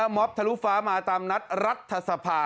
มอบทะลุฟ้ามาตามนัดรัฐสภา